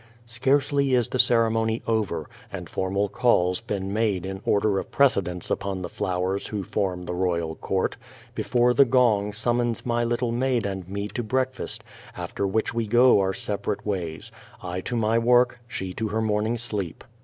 Scarcely is the ceremony over, and formal calls been made in order of precedence upon the flowers who form the royal court, before the gong summons my little maid and me to breakfast, after which we go our separate ways I to my work, she to her morning sleep.